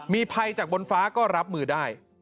มีภัยจากบนฟ้าก็รับมือได้